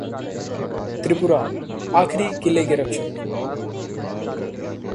त्रिपुरा: आखिरी किले के रक्षक